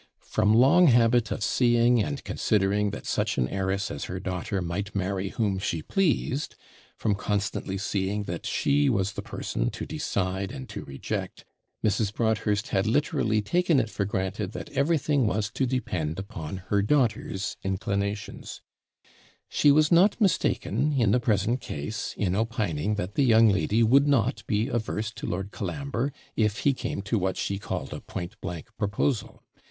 From long habit of seeing and considering that such an heiress as her daughter might marry whom she pleased from constantly seeing that she was the person to decide and to reject Mrs. Broadhurst had literally taken it for granted that everything was to depend upon her daughter's inclinations: she was not mistaken, in the present case, in opining that the young lady would not be averse to Lord Colambre, if he came to what she called a point blank proposal.